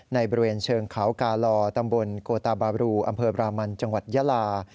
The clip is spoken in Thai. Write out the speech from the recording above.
บริเวณเชิงเขากาลอตำบลโกตาบาบรูอำเภอบรามันจังหวัดยาลา